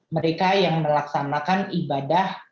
mereka yang melaksanakan ibadah